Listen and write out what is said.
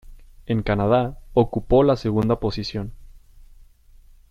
En Canadá, ocupó la segunda posición.